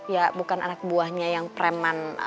ya bukan anak buahnya yang preman